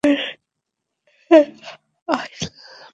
এখানে তাহলে আর বসে থেকেই কী হবে?